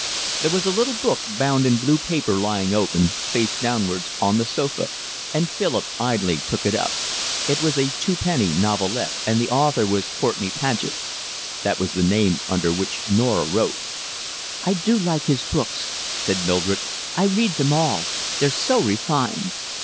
There was a little book bound in blue paper lying open, face downwards, on the sofa, and Philip idly took it up. It was a twopenny novelette, and the author was Courtenay Paget. That was the name under which Norah wrote. "I do like his books," said Mildred. "I read them all. They're so refined."